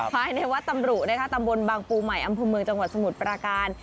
ภายในวัดตำรุนะคะตำบลบางปูใหม่อำเภอเมืองจังหวัดสมุทรปราการ